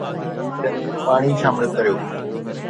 تنهنڪري پاڻي شامل ڪريو.